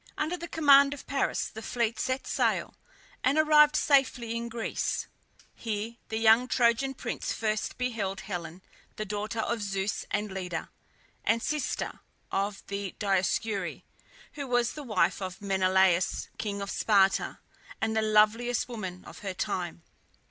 Under the command of Paris the fleet set sail, and arrived safely in Greece. Here the young Trojan prince first beheld Helen, the daughter of Zeus and Leda, and sister of the Dioscuri, who was the wife of Menelaus, king of Sparta, and the loveliest woman of her time.